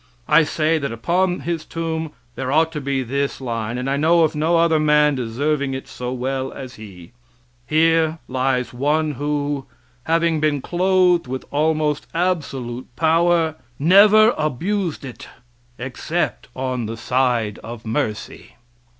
I say that upon his tomb there ought to be this line and I know of no other man deserving it so well as he: "Here lies one who, having been clothed with almost absolute power, never abused it except on the side of mercy."